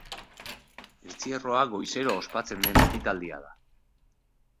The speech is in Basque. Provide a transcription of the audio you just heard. Entzierroa goizero ospatzen den ekitaldia da.